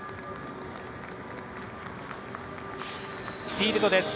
フィールドです。